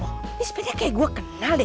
ini sepeda kayak gua kenal deh